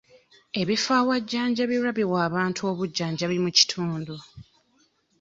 Ebifo awajjanjabirwa biwa abantu obujjanjabi mu kitundu.